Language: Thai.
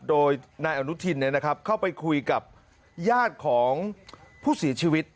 โดยนายอนุทินเข้าไปคุยกับญาติของผู้เสียชีวิต